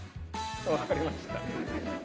分かりました。